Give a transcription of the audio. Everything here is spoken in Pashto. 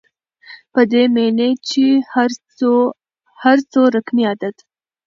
په دې معني چي هر څو رقمي عدد